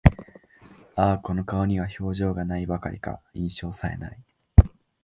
ああ、この顔には表情が無いばかりか、印象さえ無い